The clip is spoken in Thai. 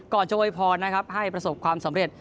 ก่อนจะไว้พอให้ประสบความสำเร็จ